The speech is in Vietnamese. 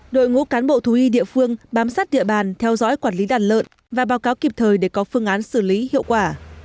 đội ngũ cán bộ thú y địa phương bám sát địa bàn theo dõi quản lý đàn lợn và báo cáo kịp thời để có phương án xử lý hiệu quả